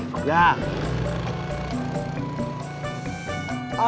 tidak ada yang mau nanya